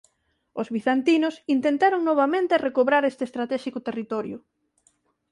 Os bizantinos intentaron novamente recobrar este estratéxico territorio.